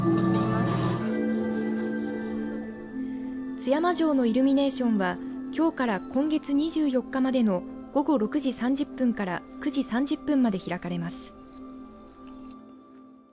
津山城のイルミネーションはきょうから今月２４日までの午後６時３０分から９時３０分まで開かれます。